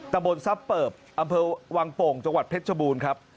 ตะบนทรัพย์เปิบอำเภอวังโป่งจังหวัดเพชรชบูรณ์ครับ